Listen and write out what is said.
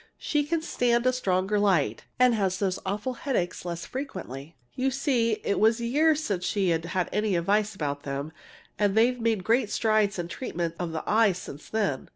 She can stand a stronger light, and has those awful headaches less frequently. You see, it was years since she had had any advice about them, and they've made great strides in treatment of the eyes since then.